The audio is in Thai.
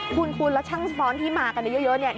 คุณแล้วช่างซ้อนที่มากันเยอะเนี่ย